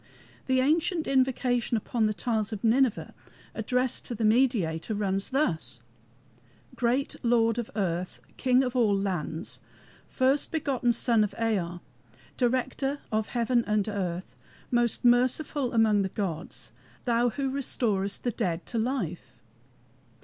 The ancient invocation upon the tiles of Nineveh addressed to the Mediator runs thus: "Great Lord of earth! King of all lands, First begotten Son of Ea, Director of heaven and earth, Most merciful among the gods, Thou who restorest the dead to life."